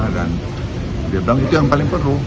dan dia bilang itu yang paling perlu